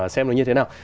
xem nó như thế nào